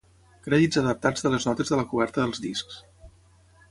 Crèdits adaptats de les notes de la coberta dels discs.